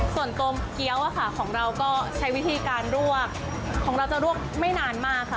ส่วนตัวเกี้ยวของเราก็ใช้วิธีการลวกของเราจะลวกไม่นานมากค่ะ